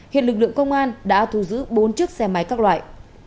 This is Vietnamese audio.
hiện lực lượng công an đã thu giữ bốn chiếc xe máy các loại